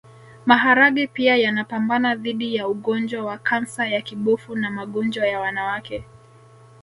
Maharage pia yanapambana dhidi ya ugonjwa wa kansa ya kibofu na magonjwa ya wanawake